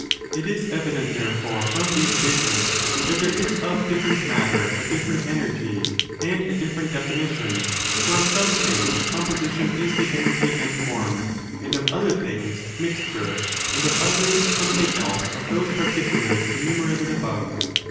It is evident, therefore, from these statements, 4. Difrerent that there is of difierent matter a diflerent JJre^tavSviJs" energy,^ and ,a different definition ; for of some different things composition is the energy and form, ®°®^^ and of othes things mixture, and of others something else of those particulars enumerated above.